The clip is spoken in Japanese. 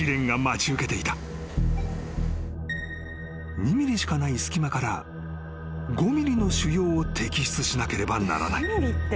［２ｍｍしかない隙間から５ｍｍの腫瘍を摘出しなければならない］